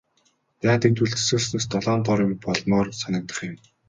Дайн дэгдвэл төсөөлснөөс долоон доор юм болмоор санагдах юм.